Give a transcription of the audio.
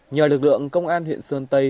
nhờ lực lượng công an huyện sơn tây